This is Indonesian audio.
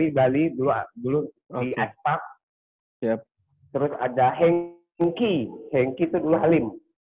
sherry bali dulu di ike park terus ada henki henki itu dulu halim